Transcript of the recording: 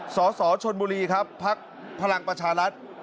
สสชนบุรีครับภักดิ์พลังประชารัฐ